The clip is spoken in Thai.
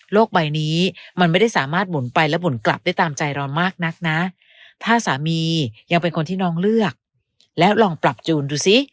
ใบนี้มันไม่ได้สามารถหมุนไปและหมุนกลับได้ตามใจเรามากนักนะถ้าสามียังเป็นคนที่น้องเลือกแล้วลองปรับจูนดูซิ